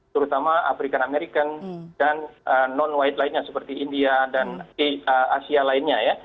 terutama afrika amerikan dan non white lainnya seperti india dan asia lainnya